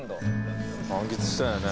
満喫したよね